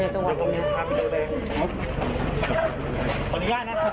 จังหวะตรงนี้